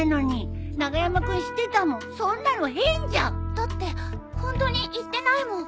だってホントに言ってないもん。